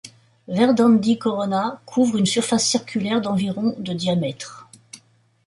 Verdandi Corona couvre une surface circulaire d'environ de diamètre.